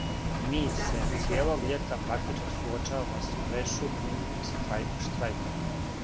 Ми се цијелог љета практично суочавамо с прешутним штрајком.